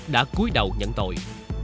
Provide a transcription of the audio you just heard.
đã cuối đầu nhận tội